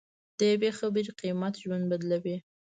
د یوې خبرې قیمت ژوند بدلوي.